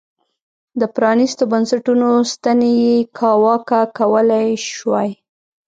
د پرانیستو بنسټونو ستنې یې کاواکه کولای شوای.